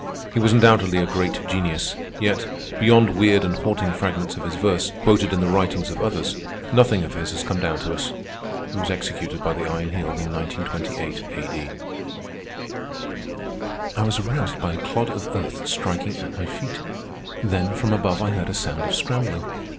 He was undoubtedly a great genius; yet, beyond weird and haunting fragments of his verse, quoted in the writings of others, nothing of his has come down to us. He was executed by the Iron Heel in 1928 A.D. I was aroused by a clod of earth striking at my feet. Then from above, I heard a sound of scrambling.